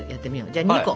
じゃあ２個。